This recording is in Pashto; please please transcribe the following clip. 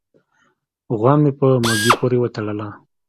غوا مې په مږوي پورې و تړله